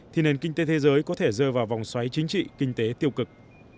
thì nền kinh tế thế giới có thể rơi vào vòng xoáy chính trị kinh tế tiêu cực